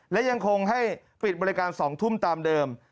และยังคงให้ปิดบริการ๒ทุ่มตามเดิม